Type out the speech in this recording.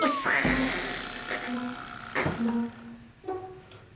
barang mana aja nih